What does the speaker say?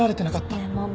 ねえママ。